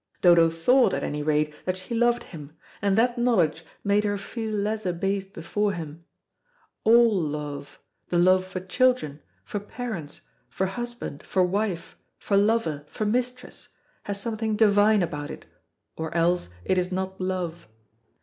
Dodo thought, at any rate, that she loved him, and that knowledge made her feel less abased before him. All love the love for children, for parents, for husband, for wife, for lover, for mistress has something divine about it, or else it is not love.